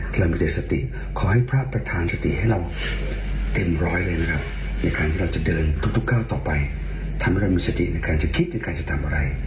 ทำให้เรามีสติในการจะคิดในการจะทำอะไร